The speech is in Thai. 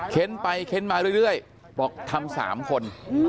เค้นไปเค้นมาเรื่อยบอกทำ๓คน